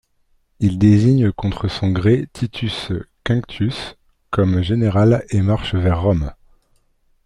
Ils désignent contre son gré Titus Quinctius comme général et marchent vers Rome.